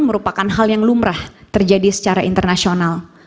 merupakan hal yang lumrah terjadi secara internasional